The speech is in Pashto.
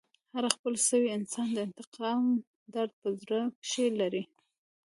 هر خپل سوی انسان د انتقام درد په زړه کښي لري.